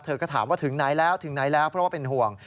เธอก็ถามว่าถึงไหนแล้วเพราะว่าเป็นห่วง